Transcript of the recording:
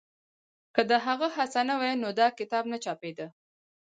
که د هغه هڅه نه وای نو دا کتاب نه چاپېده.